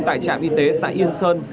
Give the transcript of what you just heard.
tại trạm y tế xã yên sơn